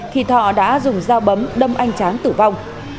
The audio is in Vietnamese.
thì thọ đã dùng dao bấm đâm anh tráng tử vong